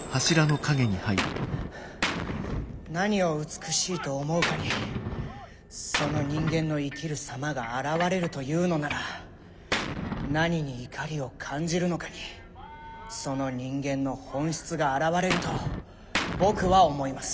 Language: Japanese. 何を美しいと思うかにその人間の生きる様が現れるというのなら何に怒りを感じるのかにその人間の本質が現れると僕は思います。